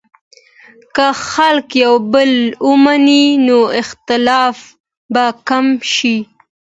که خلک یو بل ومني، نو اختلاف به کم شي.